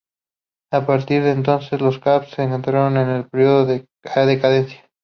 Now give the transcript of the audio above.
A partir de entonces, los Cavs entraron en un periodo de decadencia.